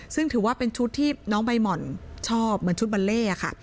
ซึ่งถือว่าเป็นชุดที่น้องใบหม่อนชอบเหมือนชุดบัลเล่ค่ะ